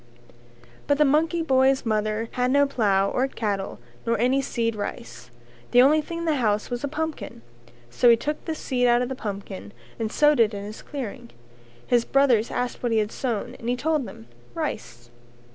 But the monkey boy's mother had no plough or cattle nor any seed rice; the only thing in the house was a pumpkin, so he took the seed out of the pumpkin and sowed it in his clearing. His brothers asked what he had sown and he told them Rice.